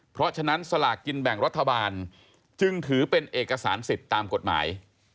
เพราะฉะนั้นสลากกินแบ่งรัฐบาลจึงถือเป็นเอกสารสิทธิ์ตามกฎหมาย